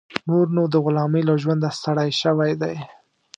نور نو د غلامۍ له ژونده ستړی شوی دی.